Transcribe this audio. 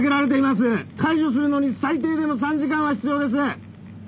解除するのに最低でも３時間は必要です。